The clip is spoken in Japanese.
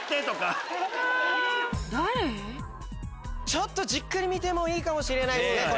ちょっとじっくり見てもいいかもしれないですねこれ。